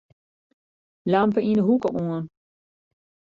Lampe yn 'e hoeke oan.